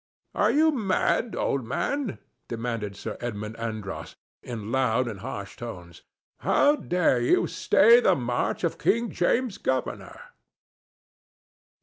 "Are you mad, old man?" demanded Sir Edmund Andros, in loud and harsh tones. "How dare you stay the march of King James's governor?"